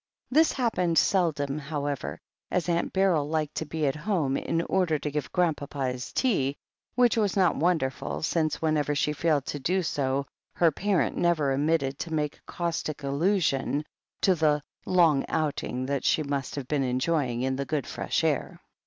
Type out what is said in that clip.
This happened seldom, how ever, as Aunt Beryl liked to be at home, in order to give Grandpapa his tea — ^which was not wonderful, since whenever she failed to do so her parent never omitted to make caustic allusion to the "long outing that she must have been enjoying in the good fresh air."